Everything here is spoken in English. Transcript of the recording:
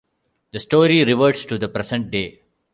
The story reverts to the present day.